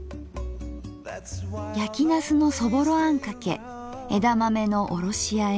やきなすのそぼろあんかけ枝豆のおろしあえ